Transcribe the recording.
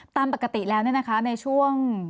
ตามปกติแล้วเนี่ยนะคะในช่วง